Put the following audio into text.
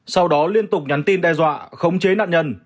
sau đó liên tục nhắn tin đe dọa khống chế nạn nhân